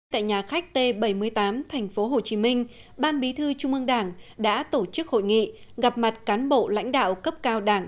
tại nhà khách t bảy mươi tám tp hcm ban bí thư trung ương đảng đã tổ chức hội nghị gặp mặt cán bộ lãnh đạo cấp cao đảng